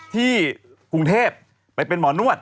ที่กรุงเทพไปเป็นหมอนวด